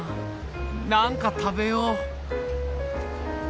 何か食べよう！